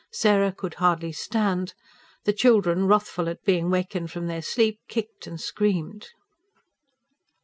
Sarah could hardly stand. The children, wrathful at being wakened from their sleep, kicked and screamed.